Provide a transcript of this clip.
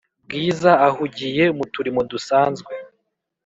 bwiza ahugiye muturimo dusanzwe